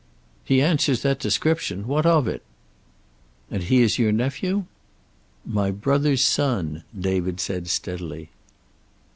"He answers that description. What of it?" "And he is your nephew?" "My brother's son," David said steadily.